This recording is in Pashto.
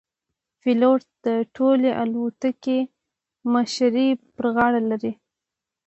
پیلوټ د ټولې الوتکې مشري پر غاړه لري.